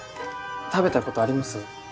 食べた事あります？